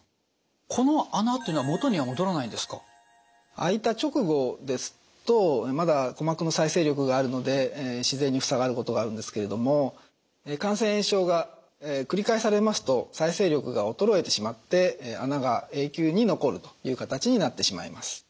開いた直後ですとまだ鼓膜の再生力があるので自然に塞がることがあるんですけれども感染症が繰り返されますと再生力が衰えてしまって穴が永久に残るという形になってしまいます。